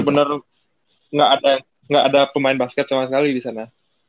emang benar benar enggak ada pemain basket sama sekali di sana